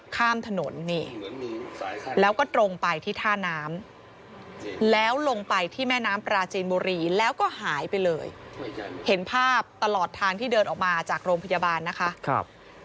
ข้ามถนนนี่แล้วก็ตรงไปที่ท่าน้ำแล้วลงไปที่แม่น้ำปราจีนบุรีแล้วก็หายไปเลยเห็นภาพตลอดทางที่เดินออกมาจากโรงพยาบาลนะคะ